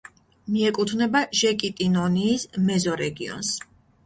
მიეკუთვნება ჟეკიტინონიის მეზორეგიონს.